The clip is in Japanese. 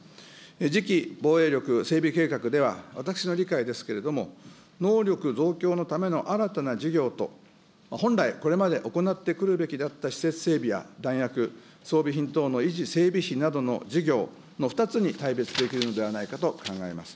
次期防衛力整備計画では、私の理解ですけれども、能力増強のための新たな事業と、本来これまで行ってくるべきであった施設整備や弾薬、装備品等の維持整備費などの事業の２つに大別できるのではないかと考えます。